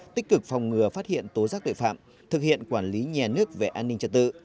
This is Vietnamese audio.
tích cực phòng ngừa phát hiện tố giác tội phạm thực hiện quản lý nhà nước về an ninh trật tự